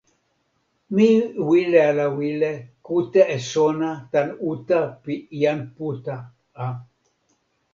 mi wile ala wile kute e sona tan uta pi jan Puta a.